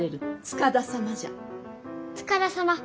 塚田様